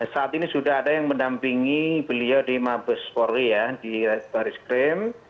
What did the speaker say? saat ini sudah ada yang mendampingi beliau di mabes polri ya di baris krim